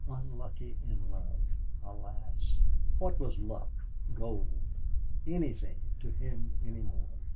Unlucky in love! Alas! What was luck, gold anything to him any more!